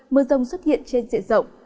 mưa rông xuất hiện trên diện rộng